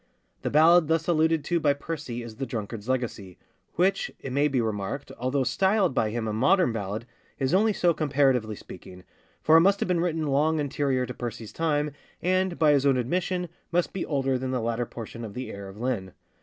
The ballad thus alluded to by Percy is The Drunkard's Legacy, which, it may be remarked, although styled by him a modern ballad, is only so comparatively speaking; for it must have been written long anterior to Percy's time, and, by his own admission, must be older than the latter portion of the Heir of Linne.